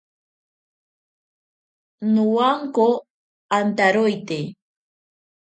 Nowanko antaroite.